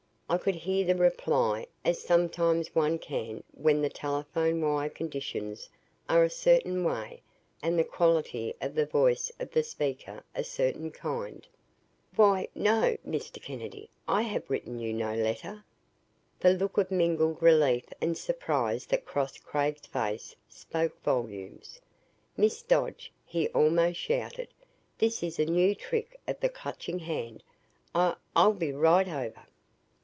I could hear the reply, as sometimes one can when the telephone wire conditions are a certain way and the quality of the voice of the speaker a certain kind. "Why no Mr. Kennedy, I have written you no letter." The look of mingled relief and surprise that crossed Craig's face spoke volumes. "Miss Dodge," he almost shouted, "this is a new trick of the Clutching Hand. I I'll be right over."